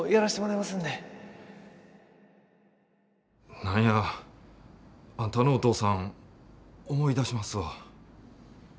何やあんたのお父さん思い出しますわ。